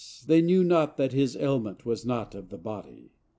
they knew not that his ailment was not of the body.